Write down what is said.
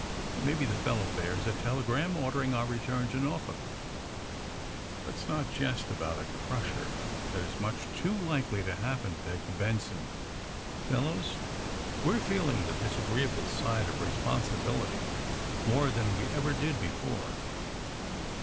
^^ Maybe the fellow bears a telegram ordering our return to Norfolk." *^ Let's not jest about a crusher that is much too likely to happen," begged Benson. '* Fel lows, we're feeling the disagreeable side of re sponsibility more than we ever did before."